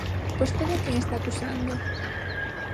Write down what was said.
¿Vostede a quen está acusando?